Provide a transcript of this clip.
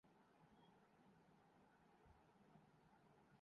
کہ جوابا افغانستان ان عناصر کے لیے پناہ گاہ بن چکا